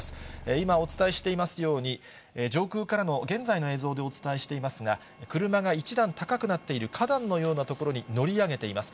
今、お伝えしていますように、上空からの現在の映像でお伝えしていますが、車が一段高くなっている、花壇のような所に乗り上げています。